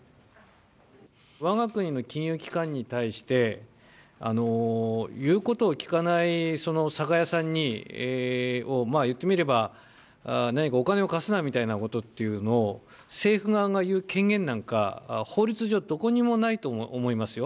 わが国の金融機関に対して、言うことを聞かない酒屋さんを、言ってみれば、何かお金を貸すなみたいなことを政府側が言う権限なんか法律上、どこにもないと思いますよ。